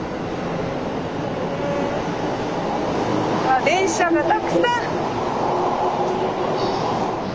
あ電車がたくさん！